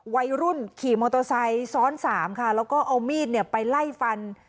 วัยรุ่นขี่มอเตอร์ไซค์ซ้อนสามค่ะแล้วก็เอามีดเนี่ยไปไล่ฟัน